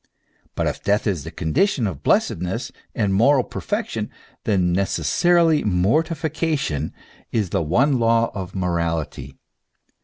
But if death is the condition of bless edness and moral perfection, then necessarily mortification is the one law of morality.